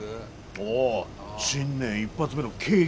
おお新年一発目の景気